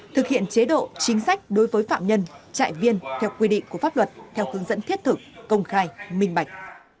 thực hiện chế độ chính sách đối với phạm nhân trại viên theo quy định của pháp luật theo hướng dẫn thiết thực công khai minh bạch